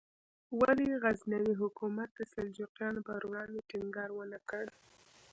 ولې غزنوي حکومت د سلجوقیانو پر وړاندې ټینګار ونکړ؟